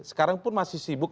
sekarang pun masih sibuk